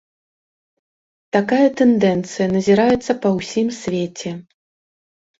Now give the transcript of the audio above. Такая тэндэнцыя назіраецца па ўсім свеце.